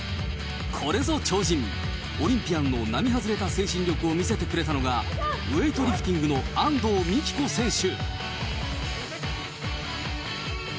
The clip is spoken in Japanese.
これぞ超人、オリンピアンの並外れた精神力を見せてくれたのが、ウエイトリフティングの安藤美希子選手。